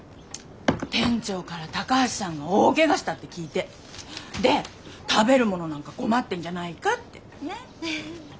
店長から高橋さんが大ケガしたって聞いて！で食べるものなんか困ってんじゃないかってねえ。